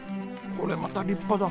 これまた立派だ。